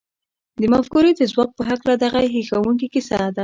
د مفکورې د ځواک په هکله دغه هیښوونکې کیسه ده